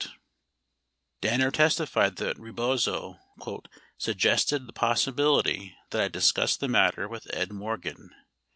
935 Danner testified that Rebozo "suggested the possibility that I discuss the matter with Ed Morgan."